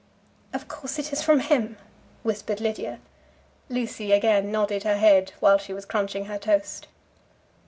"Of course it is from him?" whispered Lydia. Lucy again nodded her head while she was crunching her toast.